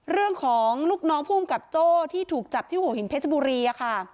เรื่องของลูกน้องผู้กำกับโจ้ที่ถูกจับที่หัวหินเพชบุรี